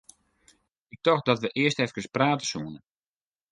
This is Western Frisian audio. Ik tocht dat wy earst eefkes prate soene.